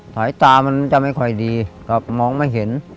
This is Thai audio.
สายตามันจะไม่ค่อยดีก็มองไม่เห็น